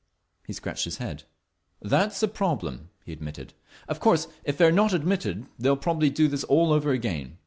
He scratched his head. "That's a problem," he admitted. "Of course if they are not admitted, they'll probably do this all over again.